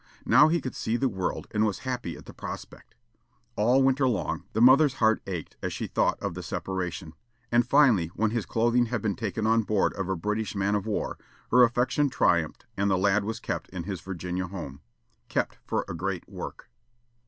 Now he could see the world, and was happy at the prospect. All winter long, the mother's heart ached as she thought of the separation, and finally, when his clothing had been taken on board of a British man of war, her affection triumphed, and the lad was kept in his Virginia home; kept for a great work.